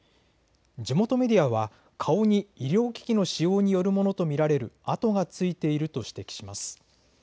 地元メディアは顔に医療機器の使用によるものと見られる痕がついていると指摘します。